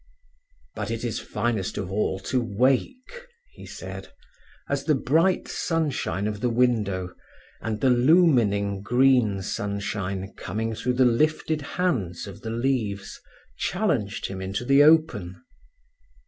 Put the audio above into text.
"But it is finest of all to wake," he said, as the bright sunshine of the window, and the lumining green sunshine coming through the lifted hands of the leaves, challenged him into the open.